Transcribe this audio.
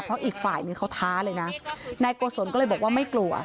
เพราะอีกฝ่ายนึงเขาท้าเลยนะนายโกศลก็เลยบอกว่าไม่กลัว